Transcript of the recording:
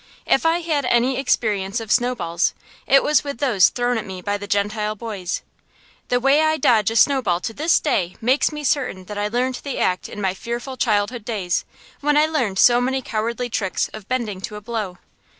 If I had any experience of snowballs, it was with those thrown at me by the Gentile boys. The way I dodge a snowball to this day makes me certain that I learned the act in my fearful childhood days, when I learned so many cowardly tricks of bending to a blow.